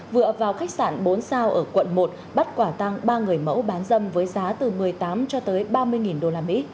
vừa vào khách sạn bốn sao ở quận một bắt quả tăng ba người mẫu bán dâm với giá từ một mươi tám cho tới ba mươi usd